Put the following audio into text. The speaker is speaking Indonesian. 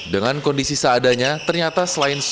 dengan kondisi seadanya ternyata selain